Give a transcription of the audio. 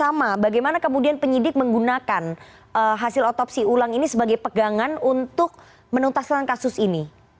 sama bagaimana kemudian penyidik menggunakan hasil otopsi ulang ini sebagai pegangan untuk menuntaskan kasus ini